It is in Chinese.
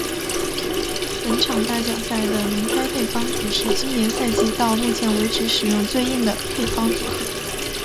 本场大奖赛的轮胎配方也是今年赛季到目前为止使用最硬的配方组合。